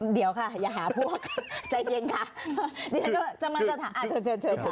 เดี๋ยวค่ะอย่าหาพวกใจเย็นค่ะเดี๋ยวท่านก็จะมาสนับสนับอะเชิญค่ะ